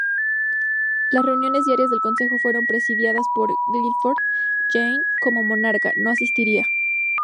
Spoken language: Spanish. Las reuniones diarias del Consejo fueron presididas por Guilford; Jane, como monarca, no asistiría.